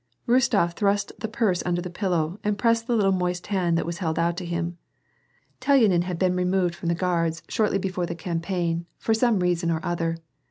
Rostof thrust the purse under the pillow and pressed the little moist band that was held out to him, Telyanin had been removed 152 WAR AND PEACE, from the Guards, shortly before the campaign, for some reason or other.